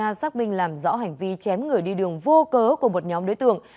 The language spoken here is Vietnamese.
điều tra xác minh làm rõ hành vi chém người đi đường vô cớ của một nhóm đối tượng